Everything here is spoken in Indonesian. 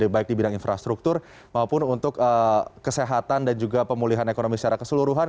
baik di bidang infrastruktur maupun untuk kesehatan dan juga pemulihan ekonomi secara keseluruhan